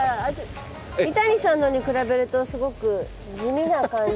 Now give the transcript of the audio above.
三谷さんのに比べると、すごく地味な感じ。